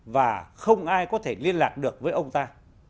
và không ai có thể liên lạc được với ông ta